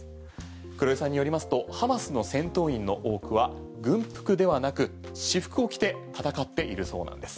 黒井さんによりますとハマスの戦闘員の多くは軍服ではなく私服を着て戦っているそうなんです。